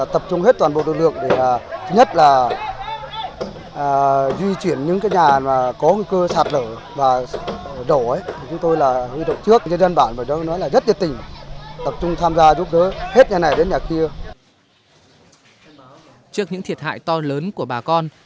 trước những thiệt hại to lớn của bà con